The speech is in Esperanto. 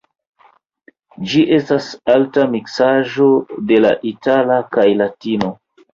Ĝi estas arta miksaĵo de la itala kaj latino.